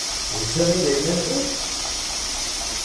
D ta i d ayla-nkent?